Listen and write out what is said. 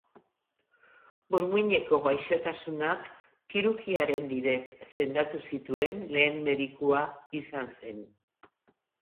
Burmuineko gaixotasunak kirurgiaren bidez sendatu zituen lehen medikua izan zen.